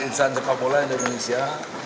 insan sepak bola indonesia